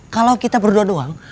kalau kita berdua doang